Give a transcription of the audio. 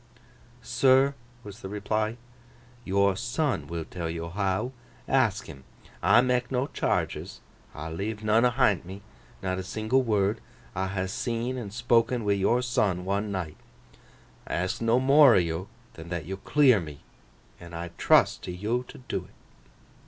'Sir,' was the reply: 'yor son will tell yo how. Ask him. I mak no charges: I leave none ahint me: not a single word. I ha' seen an' spok'n wi' yor son, one night. I ask no more o' yo than that yo clear me—an' I trust to yo to do 't.